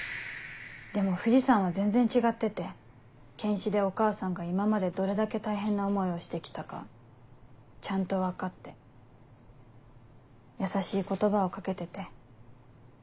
でも藤さんは全然違ってて検視でお母さんが今までどれだけ大変な思いをして来たかちゃんと分かって優しい言葉を掛けてて。